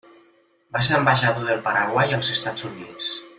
Va ser ambaixador del Paraguai als Estats Units.